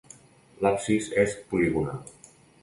L'absis és poligonal.